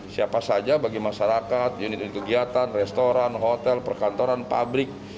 siapa saja bagi masyarakat unit unit kegiatan restoran hotel perkantoran pabrik